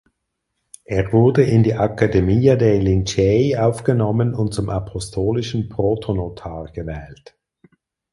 Er wurde in die Accademia dei Lincei aufgenommen und zum apostolischen Protonotar gewählt.